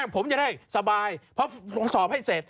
ผมจะได้สบายเพราะลงสอบให้เสร็จ